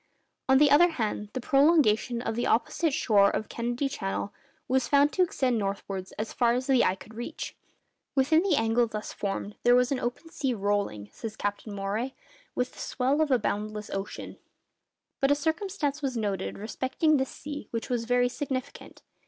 On the other hand, the prolongation of the opposite shore of Kennedy Channel was found to extend northwards as far as the eye could reach. Within the angle thus formed there was an open sea 'rolling,' says Captain Maury, 'with the swell of a boundless ocean.' But a circumstance was noticed respecting this sea which was very significant.